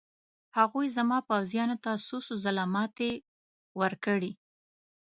هغوی زما پوځیانو ته څو څو ځله ماتې ورکړې.